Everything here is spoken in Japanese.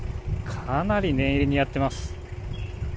かなり念入りにやってます。